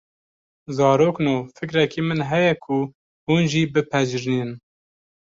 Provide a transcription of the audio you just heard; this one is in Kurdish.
Zarokno, fikrekî min heye ku hûn jî pipejrînin